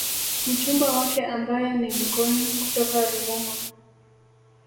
Mchumba wake ambaye ni Mngoni kutoka Ruvuma